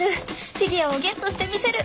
フィギュアをゲットしてみせる！